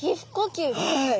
はい。